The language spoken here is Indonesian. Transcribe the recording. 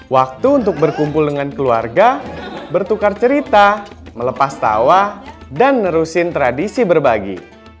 waktu untuk berkumpul dengan keluarga bertukar cerita melepas tawa dan nerusin tradisi berbagi